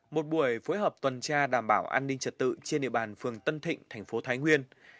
một buổi phối hợp tuần tra đảm bảo an ninh trật tự trên địa bàn phường tân thịnh thành phố thái nguyên